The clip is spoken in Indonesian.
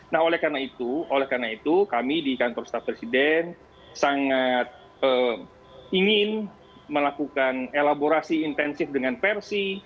nah oleh karena itu kami di kantor staff presiden sangat ingin melakukan elaborasi intensif dengan persi